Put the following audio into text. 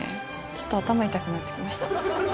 ちょっと頭痛くなってきました。